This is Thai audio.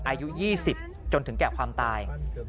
อายุ๒๐จนถึงแก่ความตาย